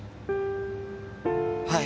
はい。